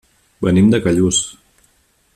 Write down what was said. Venim de Callús.